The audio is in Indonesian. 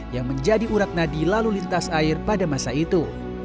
yang menjadi urat nadi lalu lintas air pada masa itu